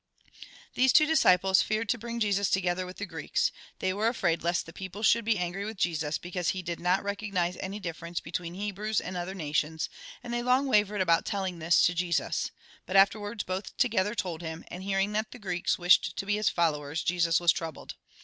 These two disciples feared to bring Jesus together with the Greeks. They were afraid lest the people should be angry with Jesus, because he did not recognise any difference between Hebrews and other nations, and they long wavered about telling this to Jesus ; but afterwards both together told him, and hearing that the Greeks wished to be his followers, Jesus was troubled.